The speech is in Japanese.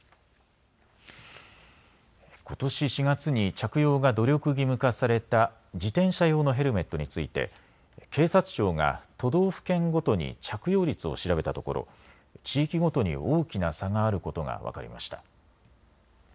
ことし４月に着用が努力義務化された自転車用のヘルメットについて警察庁が都道府県ごとに着用率を調べたところ地域ごとに大きな差があることが分かりました。